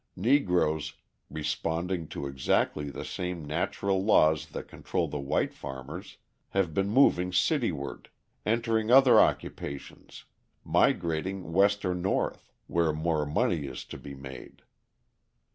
Negroes, responding to exactly the same natural laws that control the white farmers, have been moving cityward, entering other occupations, migrating west or north where more money is to be made.